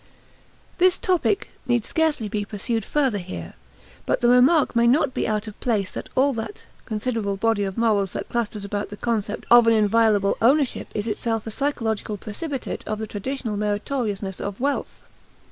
This topic need scarcely be pursued further here; but the remark may not be out of place that all that considerable body of morals that clusters about the concept of an inviolable ownership is itself a psychological precipitate of the traditional meritoriousness of wealth.